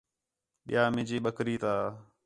ٻِیا مینجی بکری تا